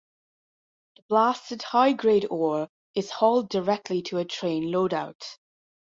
The blasted high-grade ore is hauled directly to a train load-out.